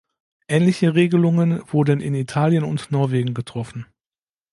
Ähnliche Regelungen wurden in Italien und Norwegen getroffen.